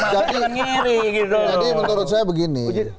jadi menurut saya begini